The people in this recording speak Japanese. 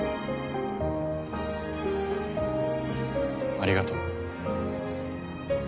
ありがとう。